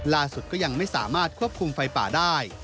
ก็ยังไม่สามารถควบคุมไฟป่าได้